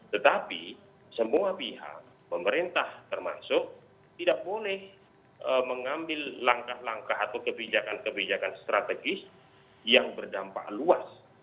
tetapi semua pihak pemerintah termasuk tidak boleh mengambil langkah langkah atau kebijakan kebijakan strategis yang berdampak luas